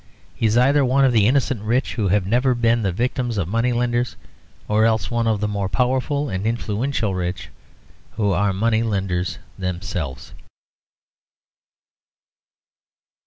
He is either one of the innocent rich who have never been the victims of money lenders, or else one of the more powerful and influential rich who are money lenders themselves.